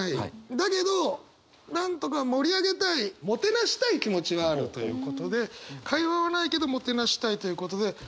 だけどなんとか盛り上げたいもてなしたい気持ちはあるということで会話はないけどもてなしたいということで。